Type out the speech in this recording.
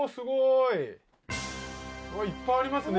いっぱい、ありますね！